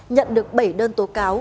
nhận được bảy đơn tố cáo